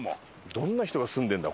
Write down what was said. どんな人が住んでるんだ？